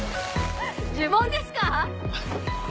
呪文ですか？